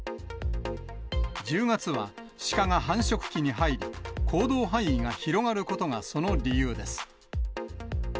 １０月はシカが繁殖期に入り、行動範囲が広がることがその理由です。